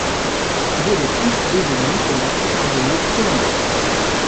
Il est le fils d'Eugène Nicolas Charbonneaux-Collombet.